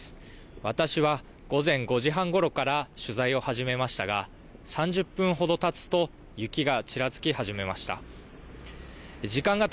私は午前５時半ごろから取材を始めましたが、３０分ほどたつと、雪がちらつき始めました。